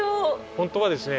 本当はですね